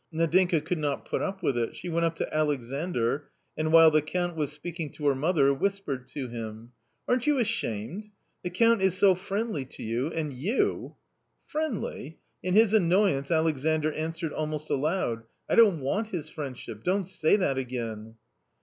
Nadinka could not put up with it, she went up to Alexandr, and while the Count was speaking to her mother, whispered to him : "Aren't you ashamed? the Count is so friendly to you, and you "" Friendly !" in his annoyance Alexandr answered almost aloud :" I don't want his friendship, don't say that again."